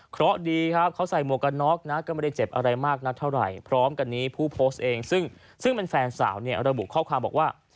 เพราะดีครับเขาใส่หมวกกันน็อกนะก็ไม่ได้เจ็บอะไรมากนักเท่าไหร่พร้อมกันนี้ผู้โพสต์เองซึ่งเป็นแฟนสาวเนี่ยระบุข้อความบอกว่า